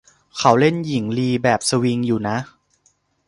เขาเล่นหญิงลีแบบสวิงอยู่นะ